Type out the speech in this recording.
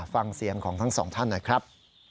ฟังเสียงของทั้งสองท่านหน่อยครับ